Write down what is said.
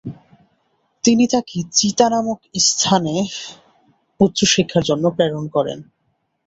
তিনি তাকে চিতা নামক স্থানে উচ্চশিক্ষার জন্য প্রেরণ করেন।